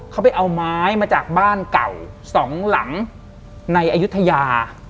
เขาไปเอาไม้มาจากบ้านเก่าสองหลังในอายุทยา